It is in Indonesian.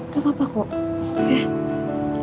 gak apa apa kok